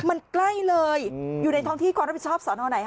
มันใกล้เลยอยู่ในท้องที่ความรับผิดชอบสอนอไหนค